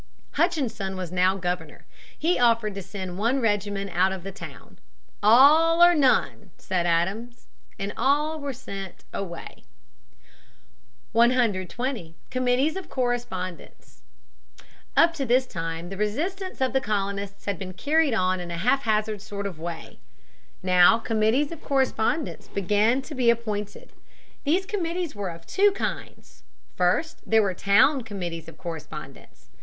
Hutchinson was now governor. He offered to send one regiment out of the town. "All or none," said Adams, and all were sent away. [Sidenote: Town Committees of Correspondence.] [Sidenote: Colonial Committees of Correspondence, 1769.] 121. Committees of Correspondence. Up to this time the resistance of the colonists had been carried on in a haphazard sort of way. Now Committees of Correspondence began to be appointed. These committees were of two kinds. First there were town Committees of Correspondence.